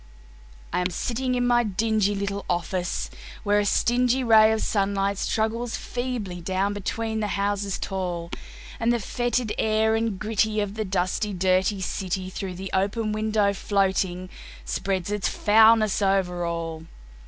I am sitting in my dingy little office, where a stingy Ray of sunlight struggles feebly down between the houses tall, And the foetid air and gritty of the dusty, dirty city, Through the open window floating, spreads its foulness over all.